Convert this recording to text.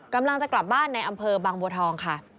กำลังจะกลับบ้านในอำเภอบางบัวทองค่ะ